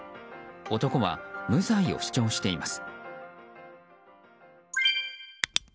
男は無罪を主張しています。